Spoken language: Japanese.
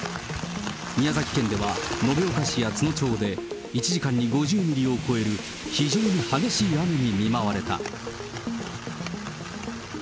宮崎県では、延岡市や都農町で１時間に５０ミリを超える非常に激しい雨に見舞われた。